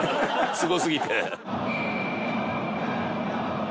すごすぎて。